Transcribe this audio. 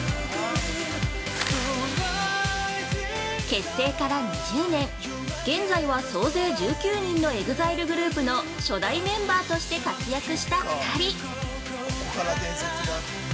結成から２０年、現在は総勢１９人のＥＸＩＬＥグループの初代メンバーとして活躍した２人。